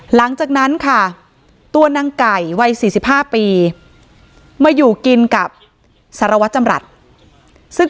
หลังจากนั้นค่ะตัวนางไก่วัย๔๕ปีมาอยู่กินกับสารวัตรจำรัฐซึ่ง